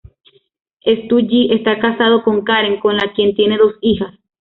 Stu G está casado con Karen, con la quien tiene dos hijas.